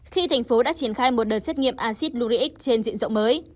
khi thành phố đã triển khai một đợt xét nghiệm acid blurix trên diện rộng mới